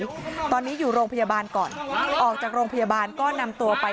ตอนนี้อยู่โรงพยาบาลก่อนออกจากโรงพยาบาลก็นำตัวไป